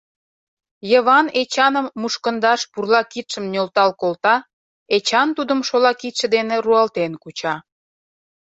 Йыван Эчаным мушкындаш пурла кидшым нӧлтал колта, Эчан тудым шола кидше дене руалтен куча.